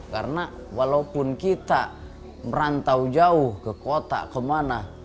karena walaupun kita merantau jauh ke kota ke mana